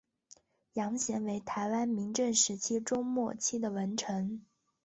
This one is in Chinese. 杨贤为台湾明郑时期中末期的文臣。